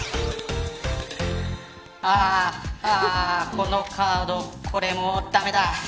このカード、これも駄目だ。